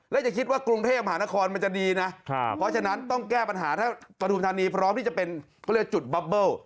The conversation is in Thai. แล้วอย่าคิดว่ากรุงเทพหานครมันจะดีนะเพราะฉะนั้นต้องแก้ปัญหาถ้าปฐุมธานีพร้อมที่จะเป็นเขาเรียกจุดบับเบิ้ล